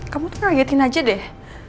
kamu tuh kagetin aja deh